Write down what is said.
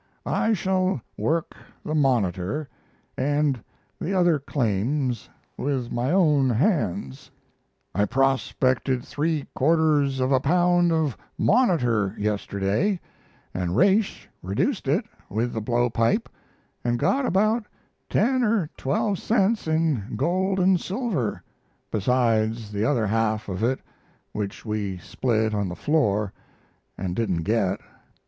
I shall work the "Monitor" and the other claims with my own hands. I prospected 3/4 of a pound of "Monitor" yesterday, and Raish reduced it with the blow pipe, and got about 10 or 12 cents in gold and silver, besides the other half of it which we spilt on the floor and didn't get....